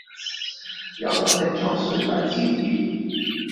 油油的在水底招搖